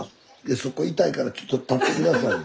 そこ痛いからちょっと立って下さいよ。